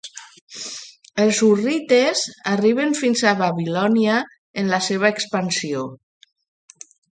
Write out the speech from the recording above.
Els hurrites arriben fins a Babilònia en la seva expansió.